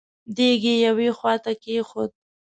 دېګ يې يوې خواته کېښود.